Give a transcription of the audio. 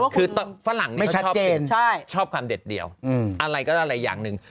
คือฝรั่งชอบความเด็ดเดียวอะไรก็อะไรอย่างหนึ่ง